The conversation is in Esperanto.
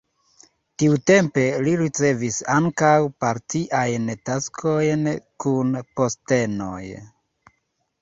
Tiutempe li ricevis ankaŭ partiajn taskojn kun postenoj.